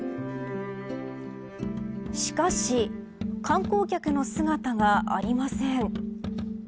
しかし観光客の姿がありません。